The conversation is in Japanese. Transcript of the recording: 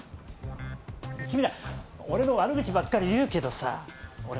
君ら俺の悪口ばっかり言うけどさ俺も大変なのよ。